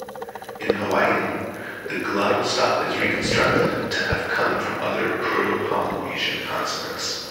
In Hawaiian, the glottal stop is reconstructed to have come from other Proto-Polynesian consonants.